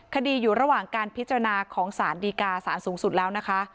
คดีอยู่ระหว่างการพิจารณาของสารดีการสารสูงสุดแล้วนะคะ